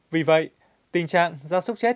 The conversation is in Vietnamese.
vì vậy tình trạng da súc chết